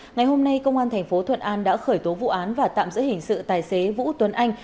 ngày hôm nay công an tp thuận an đã khởi tố vụ án và tạm giữ hình sự tài xế vũ tuấn anh